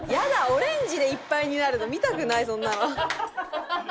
オレンジでいっぱいになるの見たくないそんなの。